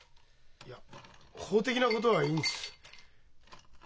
いや法的なことはいいんです。